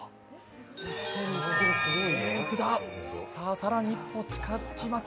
更に一歩近づきます。